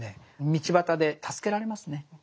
道端で助けられますね。